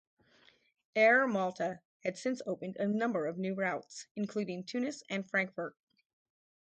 Air Malta had since opened a number of new routes, including Tunis and Frankfurt.